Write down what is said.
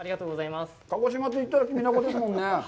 鹿児島といったらキビナゴですもんね。